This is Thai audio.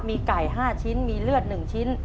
มีไก่๕ชิ้นมีเลือด๑ชิ้น